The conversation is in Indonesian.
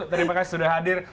terima kasih sudah hadir